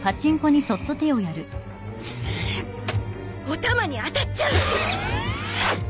お玉に当たっちゃう。